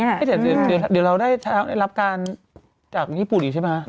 นี่แต่เดี๋ยวเราได้เช้าและรับการจากญี่ปุ่นใช่ไหม